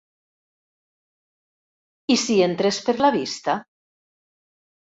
I si entrés per la vista?